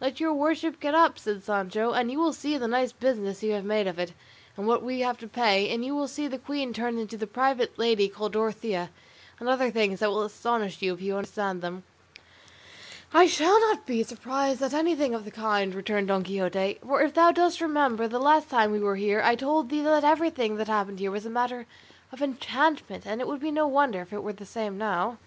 "Let your worship get up," said Sancho, "and you will see the nice business you have made of it, and what we have to pay; and you will see the queen turned into a private lady called Dorothea, and other things that will astonish you, if you understand them." "I shall not be surprised at anything of the kind," returned Don Quixote; "for if thou dost remember the last time we were here I told thee that everything that happened here was a matter of enchantment, and it would be no wonder if it were the same now."